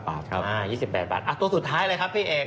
ตัวสุดท้ายเลยครับพี่เอก